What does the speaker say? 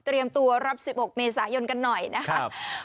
ตัวรับ๑๖เมษายนกันหน่อยนะครับ